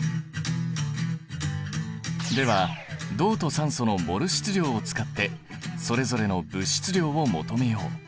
では銅と酸素のモル質量を使ってそれぞれの物質量を求めよう。